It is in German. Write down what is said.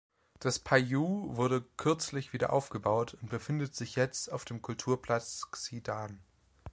Das Pailou wurde kürzlich wieder aufgebaut und befindet sich jetzt auf dem Kulturplatz Xidan.